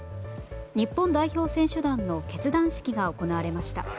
日本代表選手団の結団式が行われました。